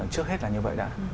trước hết là như vậy đã